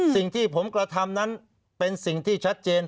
สิ่งที่ผมกระทำนั้นเป็นสิ่งที่ชัดเจน